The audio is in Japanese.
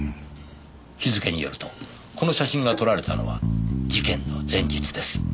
日付によるとこの写真が撮られたのは事件の前日です。